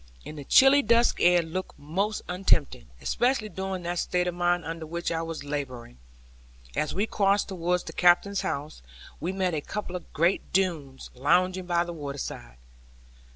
In the chilly dusk air, it looked most untempting, especially during that state of mind under which I was labouring. As we crossed towards the Captain's house, we met a couple of great Doones lounging by the waterside.